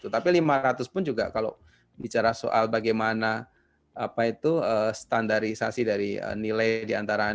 tapi lima ratus pun juga kalau bicara soal bagaimana standarisasi dari nilai diantaranya